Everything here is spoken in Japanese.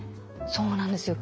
そうなんですよ。